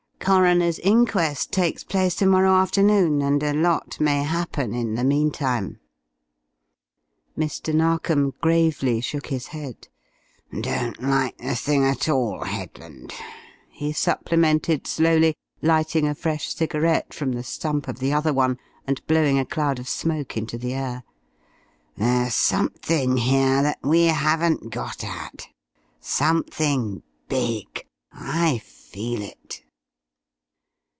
Coroner's inquest takes place to morrow afternoon, and a lot may happen in the meantime." Mr. Narkom gravely shook his head. "Don't like the thing at all, Headland," he supplemented slowly, lighting a fresh cigarette from the stump of the other one, and blowing a cloud of smoke into the air. "There's something here that we haven't got at. Something big. I feel it."